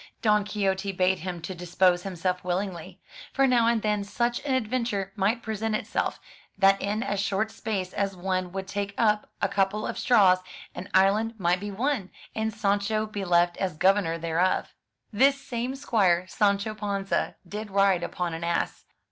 Don Quixote bade him to dispose himself willingly, for now and then such an adventure might present itself, that in as short space as one would take up a couple of straws, an island might be won, and Sancho be left as governor thereof. This same squire, Sancho Panza, did ride upon an ass.